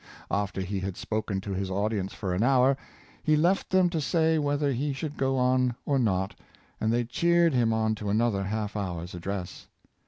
After he had spoken to his audience for an hour, he left them to say whether he should go on or not, and they cheered him on to another half hour's address.